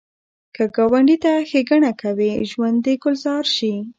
که ګاونډي ته ښیګڼه کوې، ژوند دې ګلزار شي